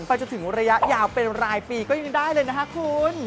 ไปจนถึงระยะยาวเป็นรายปีก็ยังได้เลยนะคะคุณ